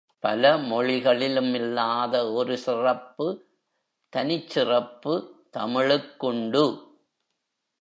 பல மொழிகளிலும் இல்லாத ஒரு சிறப்பு தனிச் சிறப்பு தமிழுக்குண்டு.